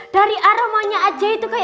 dari aromanya aja itu